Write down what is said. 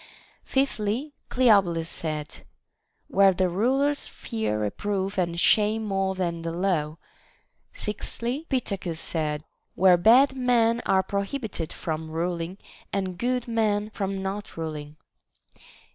Fifthly, Cleobulus said, Where the rulers fear reproof and shame more than the law. Sixthly, Pittacus said, Where bad men are prohibited from ruling, and good men from not rul ing.